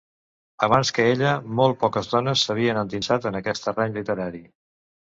Abans que ella, molt poques dones s'havien endinsat en aquest terreny literari.